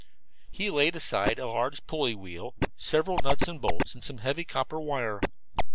He had laid aside a large pulley wheel, several nuts and bolts and some heavy copper wire.